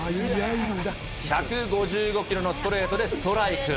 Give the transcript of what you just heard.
１５５キロのストレートでストライク。